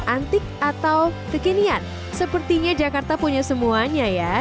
antik atau kekinian sepertinya jakarta punya semuanya ya